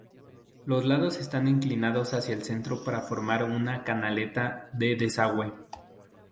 Los lados están inclinados hacia el centro para formar una canaleta de desagüe.